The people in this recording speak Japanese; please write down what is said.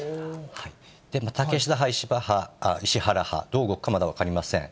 竹下派、石原派、どう動くかまだ分かりません。